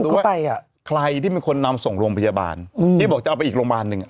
ว่าใครอ่ะใครที่เป็นคนนำส่งโรงพยาบาลอืมที่บอกจะเอาไปอีกโรงพยาบาลหนึ่งอ่ะ